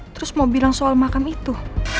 terus mau bilang soal makam itu